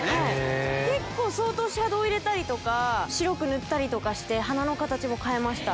相当シャドー入れたり白く塗ったりとかして鼻の形も変えました。